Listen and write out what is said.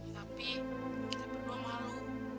tapi kita berdua malu